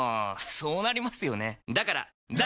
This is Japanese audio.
そうなりますよねだから脱！